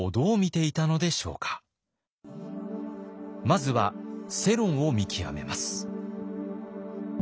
まずは世論を見極めます。